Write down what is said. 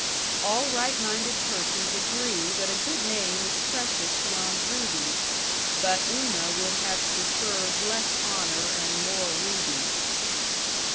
All right minded persons agree that a good name is precious beyond rubies, but Una would have preferred less honor and more rubies.